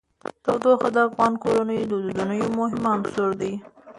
تودوخه د افغان کورنیو د دودونو یو مهم عنصر دی.